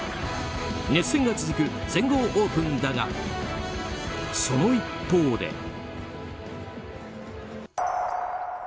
熱戦が続く全豪オープンだがその一方で。